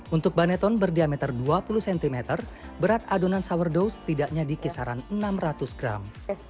untuk baneton berdiameter dua puluh cm berat adonan sourdough setidaknya dikisaran enam ratus gram